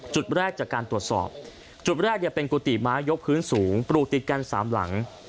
จุดแรกจากการตรวจสอบจุดแรกเป็นกุฏิไม้ยกพื้นสูงปลูกติดกันสามหลัง